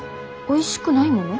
おいしくないもの？